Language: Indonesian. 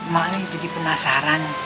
mak nih jadi penasaran